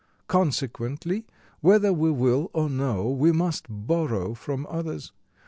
Consequently, whether we will or no, we must borrow from others.